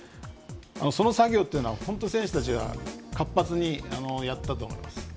その作業というのは選手たちが活発にやったと思います。